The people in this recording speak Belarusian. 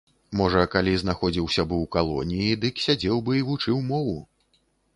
Можа, калі знаходзіўся б у калоніі, дык сядзеў бы і вучыў мову.